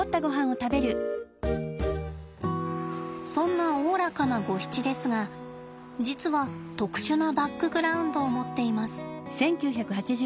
そんなおおらかなゴヒチですが実は特殊なバックグラウンドを持っています。